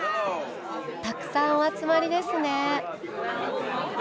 たくさんお集まりですね。